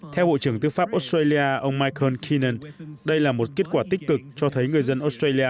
theo bộ trưởng tư pháp australia ông michael keenan đây là một kết quả tích cực cho thấy người dân australia